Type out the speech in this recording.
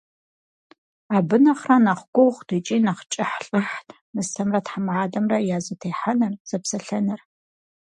Абы нэхърэ нэхъ гугъут икӏи нэхъ кӏыхьлӏыхьт нысэмрэ тхьэмадэмрэ я зэтехьэныр, зэпсэлъэныр.